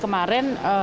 dan dari bapak ibu